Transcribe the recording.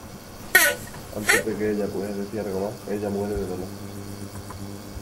Antes de que ella pueda decir algo más, ella muere del dolor.